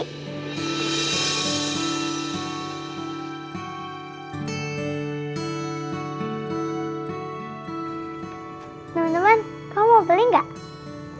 teman teman kau mau beli enggak